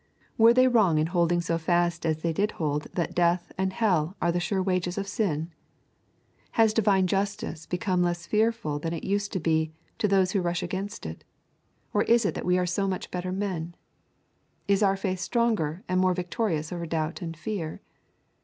Were they wrong in holding so fast as they did hold that death and hell are the sure wages of sin? Has divine justice become less fearful than it used to be to those who rush against it, or is it that we are so much better men? Is our faith stronger and more victorious over doubt and fear?